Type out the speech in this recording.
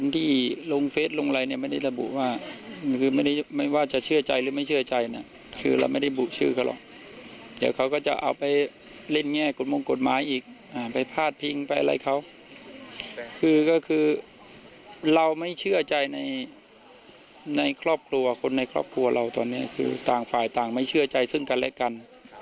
ตอนนี้คือต่างฝ่ายต่างไม่เชื่อใจซึ่งกันและกัน